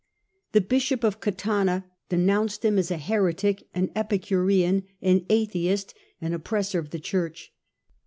The Bishop of Catana denounced him as a heretic, an Epicurean, an atheist, an oppressor of the Church.